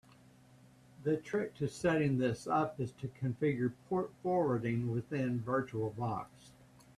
The trick to setting this up is to configure port forwarding within Virtual Box.